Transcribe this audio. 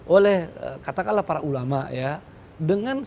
oleh katakanlah para ulama ya dengan sebetulnya dengan hak hak